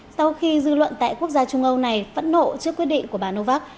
sau khi dư luận tại quốc gia trung âu này phẫn nộ trước quyết định của bà novak